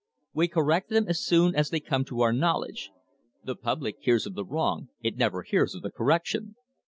We correct them as soon as they come to our knowledge. The public hears of the wrong it never hears of the correction."